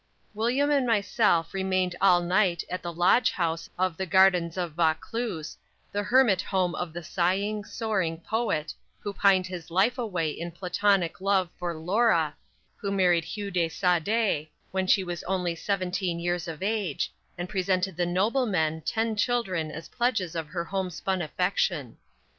William and myself remained all night in the Lodge House of the Gardens of "Vacluse," the hermit home of the sighing, soaring poet, who pined his life away in platonic love for "Laura," who married Hugh de Sade, when she was only seventeen years of age, and presented the nobleman ten children as pledges of her homespun affection.